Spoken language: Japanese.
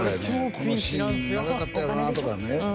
このシーン長かったよなとかね